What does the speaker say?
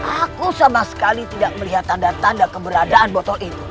aku sama sekali tidak melihat tanda tanda keberadaan botol itu